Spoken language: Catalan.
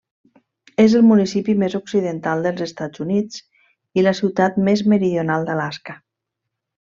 És el municipi més occidental dels Estats Units i la ciutat més meridional d'Alaska.